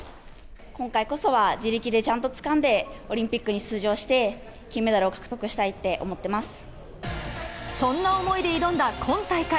今回こそは自力でちゃんとつかんで、オリンピックに出場して、金メダルを獲得したいって思ってそんな思いで挑んだ今大会。